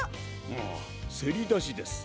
ああせりだしです。